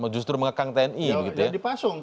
justru mengekang tni ya dipasung